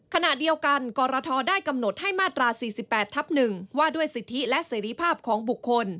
ขณะเดียวกันกรทได้กำหนดให้มาตรา๔๘ทับ๑ว่าด้วยสิทธิและเสรีภาพของบุคคล